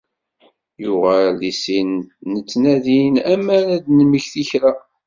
Yuɣal deg sin nettnadin amer ad d-nemmekti kra.